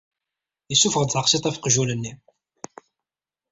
Yessufeɣ-d taqsiṭ ɣef uqjun-nni.